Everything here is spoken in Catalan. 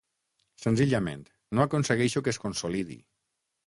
Senzillament no aconsegueixo que es consolidi!